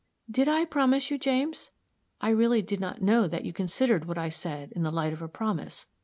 "Did I promise you, James? I really did not know that you considered what I said in the light of a promise.